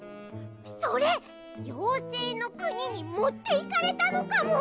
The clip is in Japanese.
それようせいのくににもっていかれたのかも！